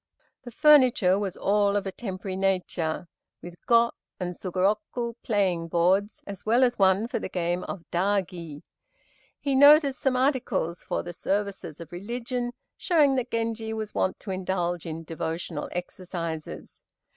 The furniture was all of a temporary nature, with Go and Sugorok playing boards, as well as one for the game of Dagi. He noticed some articles for the services of religion, showing that Genji was wont to indulge in devotional exercises.